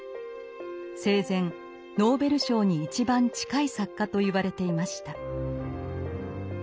生前ノーベル賞に一番近い作家といわれていました。